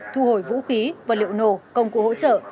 thu hồi vũ khí vật liệu nổ công cụ hỗ trợ